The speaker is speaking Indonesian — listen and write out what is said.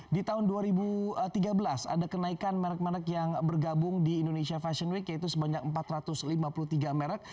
di tahun dua ribu tiga belas ada kenaikan merek merek yang bergabung di indonesia fashion week yaitu sebanyak empat ratus lima puluh tiga merek